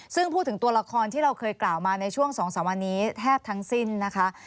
ซึ่งพูดถึงตัวละครที่เราเคยกล่าวมาในช่วง๒๓วันนี้แทบทั้งสิ้นนะคะ